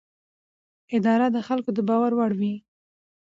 اداره د خلکو د باور وړ وي.